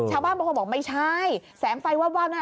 ชาวบ้านบอกว่าไม่ใช่แสงไฟวาดนะ